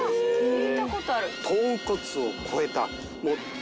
聞いたことある。